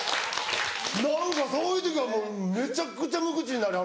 何かそういう時はもうめちゃくちゃ無口になりはる。